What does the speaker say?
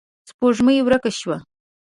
سپوږمۍ ورکه شوه.